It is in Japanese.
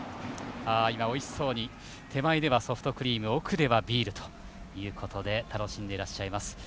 おいしそうに手前ではソフトクリーム奥ではビールというふうに楽しんでいらっしゃいます。